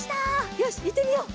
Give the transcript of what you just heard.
よしいってみよう！